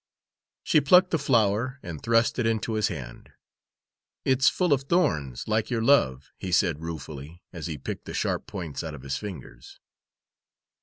She plucked the flower and thrust it into his hand. "It's full of thorns, like your love," he said ruefully, as he picked the sharp points out of his fingers.